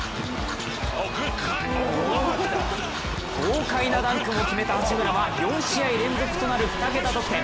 豪快なダンクも決めた八村は、４試合連続となる２桁得点。